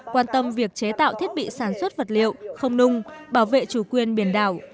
quan tâm việc chế tạo thiết bị sản xuất vật liệu không nung bảo vệ chủ quyền biển đảo